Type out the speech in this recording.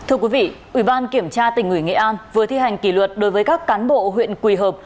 ủy ban kiểm tra tình ủy nghệ an vừa thi hành kỷ luật đối với các cán bộ huyện quỳ hợp